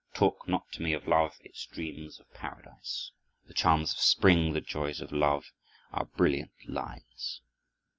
Talk not to me of love, its dreams of Paradise. The charms of spring, the joys of love, are brilliant lies."